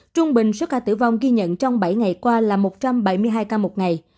trung bình số ca tử vong ghi nhận trong bảy ngày qua là một trăm bảy mươi hai ca một ngày